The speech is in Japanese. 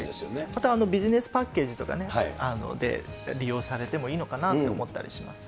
またビジネスパッケージとかで利用されてもいいのかなと思ったりします。